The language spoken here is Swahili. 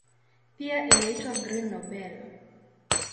Pia inaitwa "Green Nobel".